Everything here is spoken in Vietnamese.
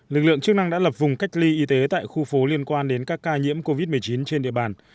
lực lượng chức năng đã lập vùng cách ly y tế tại khu phố liên quan đến các ca nhiễm covid một mươi chín trên địa bàn